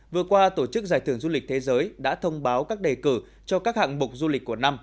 vừa qua tổ chức giải thưởng du lịch thế giới đã thông báo các đề cử cho các hạng mục du lịch của năm